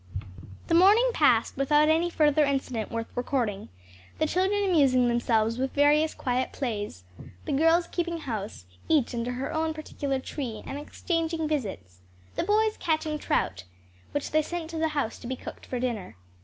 The morning passed without any further incident worth recording, the children amusing themselves with various quiet plays, the girls keeping house, each under her own particular tree, and exchanging visits; the boys catching trout, which they sent to the house to be cooked for dinner.